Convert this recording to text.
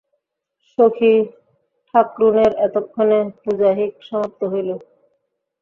সখী ঠাকরুনের এতক্ষণে পুজাহিক সমাপ্ত হইল।